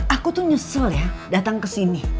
aku tuh nyesel ya datang ke sini